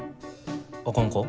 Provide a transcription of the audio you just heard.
あかんか？